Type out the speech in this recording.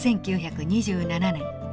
１９２７年。